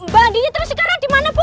banditnya terus sekarang dimana bu